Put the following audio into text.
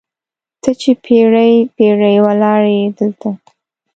ته چې پیړۍ، پیړۍ ولاړیې دلته